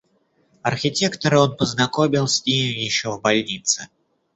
Архитектора он познакомил с нею еще в больнице.